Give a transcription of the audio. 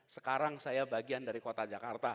sekarang saya bagian dari kota jakarta